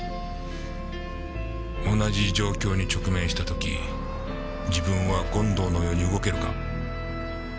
同じ状況に直面した時自分は権藤のように動けるか。